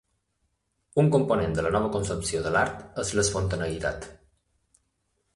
Un component de la nova concepció de l'art és l'espontaneïtat.